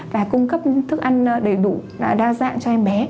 và cung cấp thức ăn đầy đủ đa dạng cho em bé